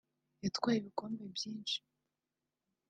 yatwaye ibikombe byinshi